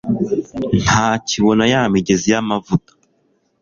ntakibona ya migezi y'amavuta